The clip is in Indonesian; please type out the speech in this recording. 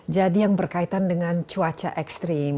jadi yang berkaitan dengan cuaca ekstrim